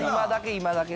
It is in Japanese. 今だけね。